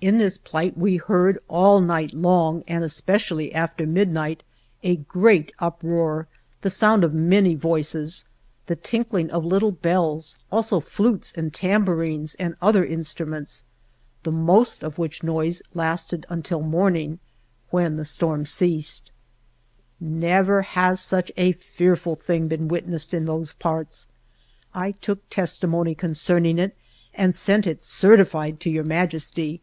In this plight we heard, all night long and especially after midnight, a great uproar, the sound of many voices, the tinkling of little bells, also flutes and tambourines and other instruments, the most of which noise lasted until morning, when the storm ceased. 5 THE JOURNEY OF Never has such a fearful thing been wit nessed in those parts. I took testimony con cerning it, and sent it, certified, to Your Majesty.